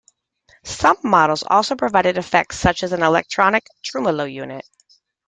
Some models also provided effects such as an electronic tremolo unit.